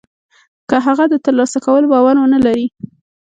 که هغه د تر لاسه کولو باور و نه لري.